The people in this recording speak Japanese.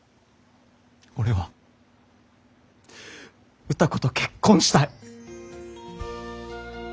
俺は歌子と結婚したい。